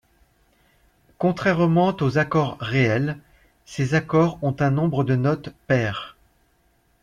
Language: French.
Contrairement aux accords réels, ces accords ont un nombre de notes pairs.